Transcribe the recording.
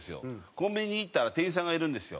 コンビニ行ったら店員さんがいるんですよ。